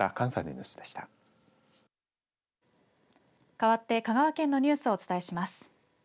かわって香川県のニュースをお伝えします。